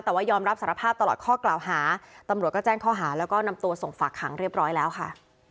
แต่ว่ายอมรับสารภาพตลอดข้อกล่าวหาตำรวจก็แจ้งข้อหาแล้วก็นำตัวส่งฝากขังเรียบร้อยแล้วค่ะ